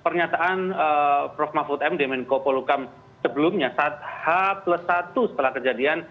pernyataan prof mahfud m di menko polukam sebelumnya saat h plus satu setelah kejadian